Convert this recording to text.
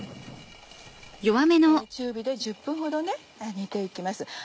中火で１０分ほど煮て行きます。